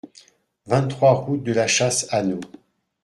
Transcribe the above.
vingt-trois route de la Chasse Hannot